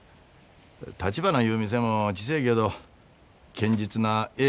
たちばないう店も小せえけど堅実なええ